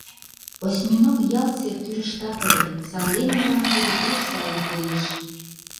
Осьминог ялт сер тӱрыштак ыле, сандене мылам тудо пеш сайын коеш.